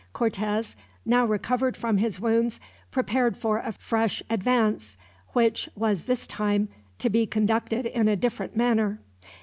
Cortez, now recovered from his wounds, prepared for a fresh advance; which was this time to be conducted in a different manner.